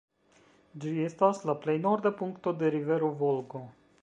Ĝi estas la plej norda punkto de rivero Volgo.